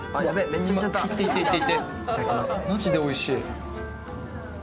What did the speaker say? マジでおいしい。